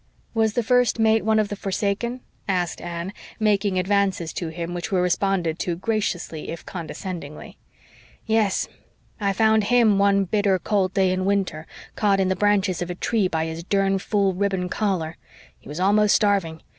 "Was the First Mate one of the forsaken?" asked Anne, making advances to him which were responded to graciously, if condescendingly. "Yes. I found HIM one bitter cold day in winter, caught in the branches of a tree by his durn fool ribbon collar. He was almost starving.